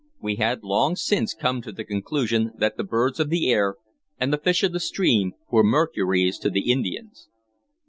We had long since come to the conclusion that the birds of the air and the fish of the streams were Mercuries to the Indians.